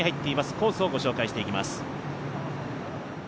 コースをご紹介していきます。